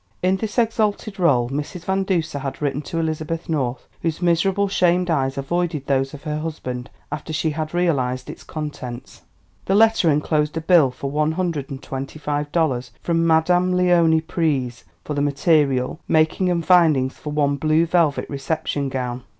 In this exalted rôle Mrs. Van Duser had written to Elizabeth North, whose miserable, shamed eyes avoided those of her husband after she had realised its contents. The letter enclosed a bill for one hundred and twenty five dollars from Madame Léonie Pryse, for the material, making and findings for one blue velvet reception gown.